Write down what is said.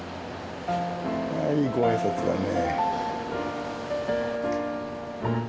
あいいご挨拶だね。